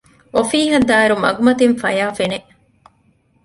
އޮފީހަށް ދާއިރު މަގުމަތިން ފަޔާ ފެނެ